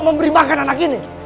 kau tidak mau makan